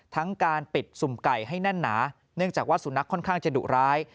การปิดสุ่มไก่ให้แน่นหนาเนื่องจากว่าสุนัขค่อนข้างจะดุร้าย